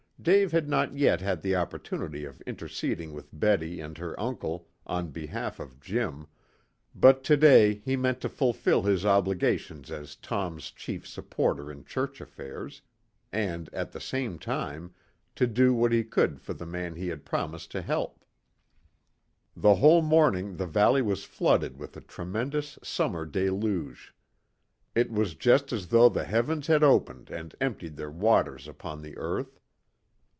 Dave had not yet had the opportunity of interceding with Betty and her uncle on behalf of Jim, but to day he meant to fulfil his obligations as Tom's chief supporter in church affairs, and, at the same time, to do what he could for the man he had promised to help. The whole morning the valley was flooded with a tremendous summer deluge. It was just as though the heavens had opened and emptied their waters upon the earth.